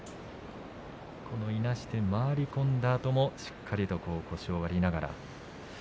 この、いなして回り込んだあともしっかりと腰を割りながら。